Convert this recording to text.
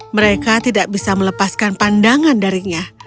mereka tidak bisa melepaskan pandangan darinya